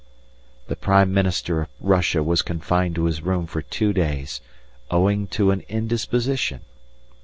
The Prime Minister of Russia was confined to his room for two days, "owing to an indisposition."